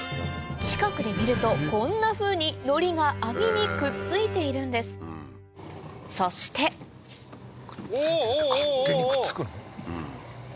近くで見るとこんなふうにのりが網にくっついているんですそしておおおお！